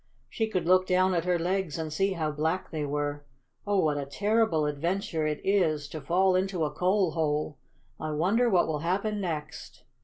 She could look down at her legs and see how black they were. "Oh, what a terrible adventure it is to fall into a coal hole! I wonder what will happen next!"